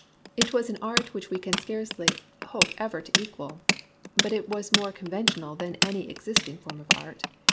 It was an art which we can scarcely hope ever to equal ; but it was more conven tional than any existing form of art.